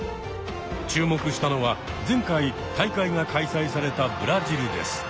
注目したのは前回大会が開催されたブラジルです。